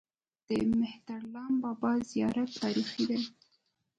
د مهترلام بابا زیارت تاریخي دی